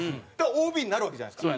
ＯＢになるわけじゃないですか。